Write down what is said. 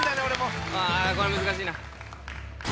あこれ難しいな。